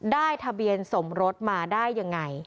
ทะเบียนสมรสมาได้ยังไง